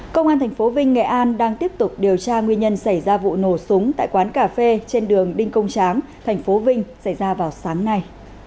công an tp vinh nghệ an đang tiếp tục điều tra nguyên nhân xảy ra vụ nổ súng tại quán cà phê trên đường đinh công tráng thành phố vinh xảy ra vào sáng nay